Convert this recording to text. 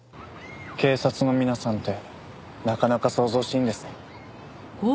警察の皆さんってなかなか騒々しいんですね。